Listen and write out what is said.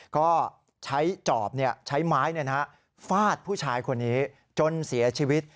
ก็ใช้จอบใช้ไม้ฟาดผู้ชายคนนี้จนเสียชีวิต